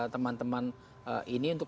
teman teman ini untuk